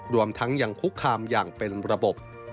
รวมทั้งยังคุกคามอย่างเป็นระบบ